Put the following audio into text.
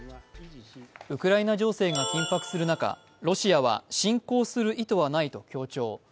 ウクライナ情勢が緊迫する中、ロシアは侵攻する意図はないと強調。